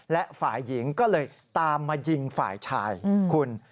และฝ่ายหญิงก็เลยตามมายิงฝ่ายชายคุณ